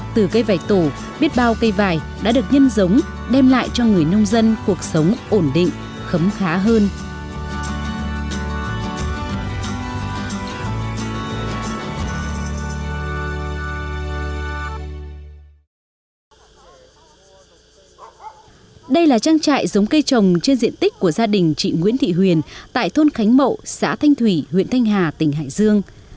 từ cây vải tổ biết bao cây vải đã được nhân giống đem lại cho người nông dân cuộc sống ổn định khấm khá hơn